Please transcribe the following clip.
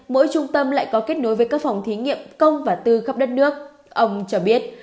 mỗi trung tâm lại có kết nối với các phòng thí nghiệm công và tư khắp đất nước ông cho biết